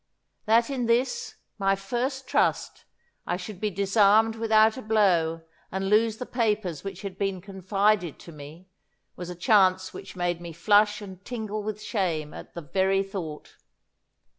That in this, my first trust, I should be disarmed without a blow and lose the papers which had been confided to me, was a chance which made me flush and tingle with shame at the very thought.